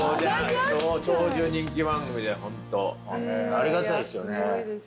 ありがたいですよね。